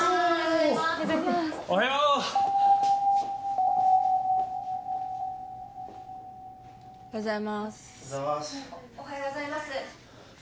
おはようございます。